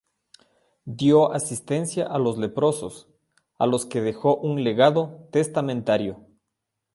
Dio asistencia a los leprosos a los que dejó un legado testamentario.